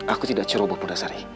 aku tidak ceroboh punah sari